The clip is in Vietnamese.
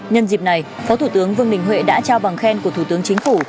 nhân dịp này phó thủ tướng vương đình huệ đã trao bằng khen của thủ tướng chính phủ